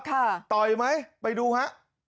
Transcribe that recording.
ต่อยไหมไปดูฮะ